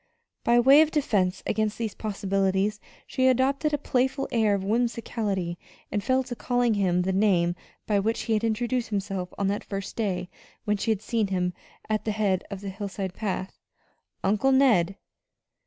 By way of defense against these possibilities she adopted a playful air of whimsicality and fell to calling him the name by which he had introduced himself on that first day when she had seen him at the head of the hillside path "Uncle Ned."